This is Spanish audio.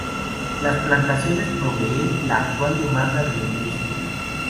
Las plantaciones proveen la actual demanda de la industria.